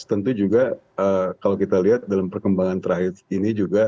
tentu juga kalau kita lihat dalam perkembangan terakhir ini juga